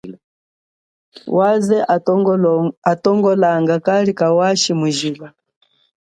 Waze atongolanga kali kawashi mujila.